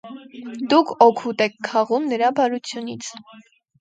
Դուք օգուտ եք քաղում նրա բարությունից: